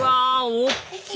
大きい！